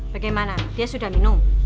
bagaimana dia sudah minum